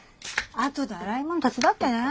あとで洗い物手伝ってね。